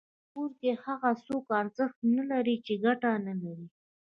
په کور کي هغه څوک ارزښت نلري چي ګټه نلري.